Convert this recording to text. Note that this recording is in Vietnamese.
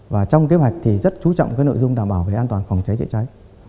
và trong kế hoạch thì rất chú trọng nội dung đảm bảo về an toàn phòng cháy cháy cháy